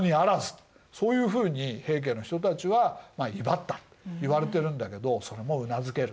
そういうふうに平家の人たちは威張ったといわれてるんだけどそれもうなずける。